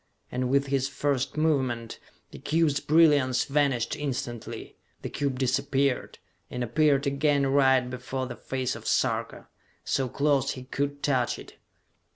And with his first movement, the cube's brilliance vanished instantly, the cube disappeared, and appeared again right before the face of Sarka, so close he could touch it!